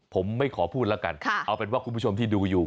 ผมไม่ขอพูดแล้วกันเอาเป็นว่าคุณผู้ชมที่ดูอยู่